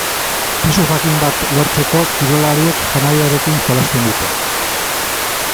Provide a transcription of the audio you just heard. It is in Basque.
Pisu jakin bat lortzeko kirolariek janariarekin jolasten dute.